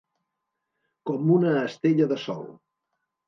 Com una estella de sol.